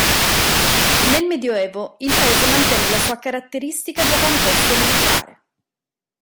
Nel medioevo il paese mantenne la sua caratteristica di avamposto militare.